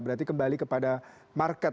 berarti kembali kepada market